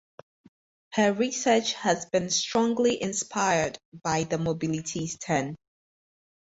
Her research has been strongly inspired by the mobilities turn.